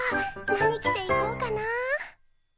何着ていこうかな。